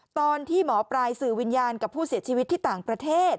ตอนที่หมอปลายสื่อวิญญาณกับผู้เสียชีวิตที่ต่างประเทศ